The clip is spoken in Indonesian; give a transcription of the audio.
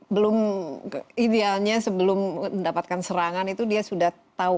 belum idealnya sebelum mendapatkan serangan itu dia sudah tahu